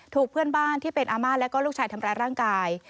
ถูกเพื่อนบ้านที่เป็นอาม่าแล้วก็ลูกชายทำร้ายร่างกาย